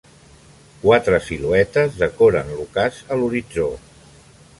Quatre siluetes decoren l'ocàs a l'horitzó.